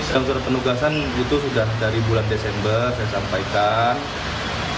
dan surat penugasan itu sudah dari bulan desember saya sampaikan